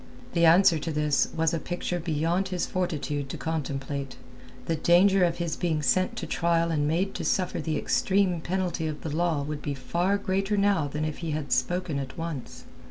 The answer to this was a picture beyond his fortitude to contemplate. The danger of his being sent to trial and made to suffer the extreme penalty of the law would be far greater now than if he had spoken at once.